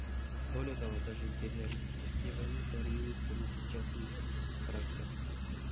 Более того, даже империалистические войны современности носят частный характер.